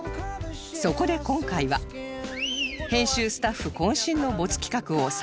そこで今回は編集スタッフ渾身のボツ企画を再プレゼン